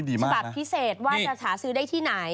แบบพิเศษว่าจะหาซื้อได้ที่ไหน